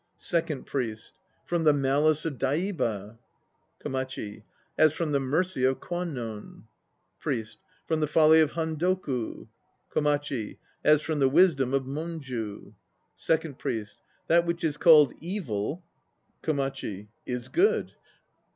SECOND PRIEST. From the malice of Daiba ... 2 KOMACHI. As from the mercy of Kwannon. 3 PRIEST. From the folly of Handoku ...* KOMACHI. As from the wisdom of Monju. 5 SECOND PRIEST. That which is called Evil KOMACHI. Is Good.